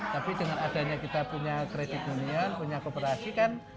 tapi dengan adanya kita punya kredit hunian punya kooperasi kan